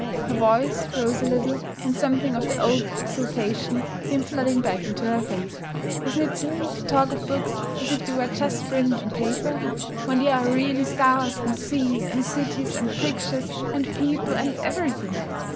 Her voice rose a little, and something of the old exultation came flooding back into her face. 'Isn't it silly to talk of books as if they were just print and paper, when they are really stars and seas and cities and pictures and people and everything!